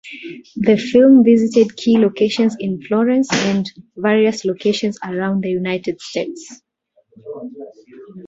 The film visited key locations in Florence and various locations around the United States.